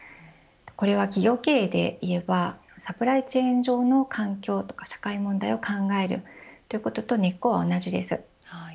これは企業経営でいえばサプライチェーン上の環境とか社会問題を考えることと根っこは同じです。